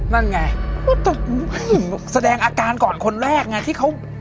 นั่นไงแสดงอาการก่อนคนแรกไงที่เขา